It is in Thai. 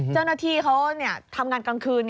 เจ้าหน้าที่เขาทำงานกลางคืน